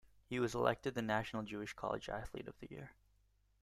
He was elected the National Jewish College Athlete of the Year.